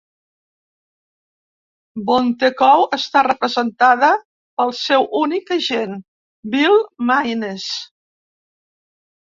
Bontecou està representada pel seu únic agent, Bill Maynes.